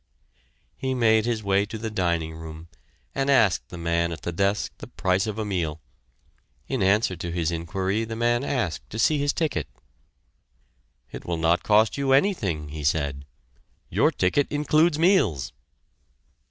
He made his way to the dining room, and asked the man at the desk the price of a meal. In answer to his inquiry the man asked to see his ticket. "It will not cost you anything," he said. "Your ticket includes meals."